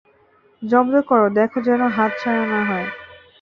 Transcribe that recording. জব্দ করো, দেখো যেনো হাত ছাড়া না হয়।